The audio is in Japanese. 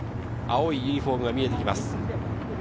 青いユニホームが見えてきます。